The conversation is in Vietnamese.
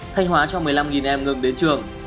thanh hóa cho một mươi năm em ngừng đến trường